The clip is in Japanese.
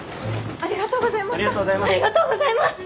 ありがとうございます。